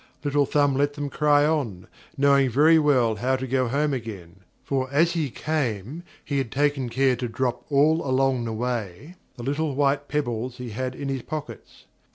Little Thumb let them cry on, knowing very well how to go home again; for as he came he had taken care to drop all along the way the little white pebbles he had in his pockets.